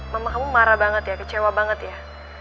mama kamu marah banget ya kecewa banget ya